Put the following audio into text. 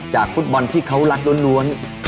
ฟุตบอลที่เขารักล้วน